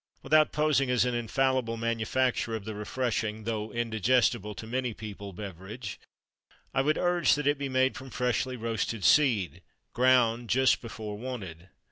Without posing as an infallible manufacturer of the refreshing (though indigestible, to many people) beverage, I would urge that it be made from freshly roasted seed, ground just before wanted.